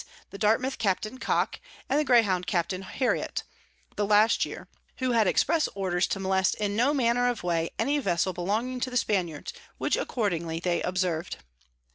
the Dartmouth Capt. Cock, and the Greyhound Capt. Hariot) the last year, who had express Orders to molest in no manner of way any Vessel belonging to the Spaniards; which accordingly they observ'd.